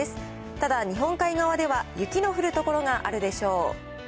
ただ、日本海側では雪の降る所があるでしょう。